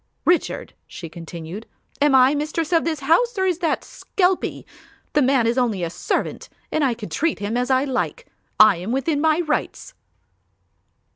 "Richard," she continued, "am I mistress of this house or is that skelpie? The man is only a servant and I can treat him as I like. I am within my rights."